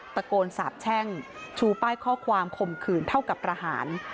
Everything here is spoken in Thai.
ตะโกนสาบแช่งชูป้ายข้อความข่มขืนเท่ากับประหาร